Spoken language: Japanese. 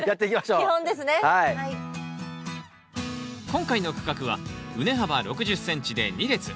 今回の区画は畝幅６０ｃｍで２列。